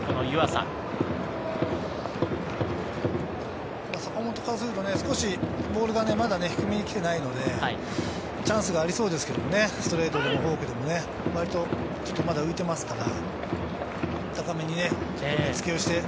坂本からすると少しボールがまだ低めに来ていないので、チャンスがありそうですけどね、ストレートでもフォークでも割とまだ浮いてますから。